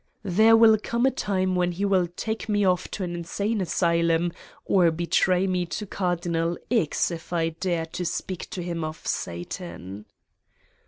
There will come a time when he will take me off to an insane asylum or betray me to Cardinal X. if I dare to speak to him of Satan.